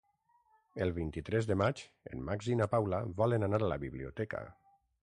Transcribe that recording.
El vint-i-tres de maig en Max i na Paula volen anar a la biblioteca.